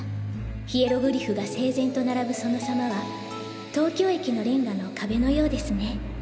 ヒエログリフが整然と並ぶその様は東京駅のレンガの壁のようですね。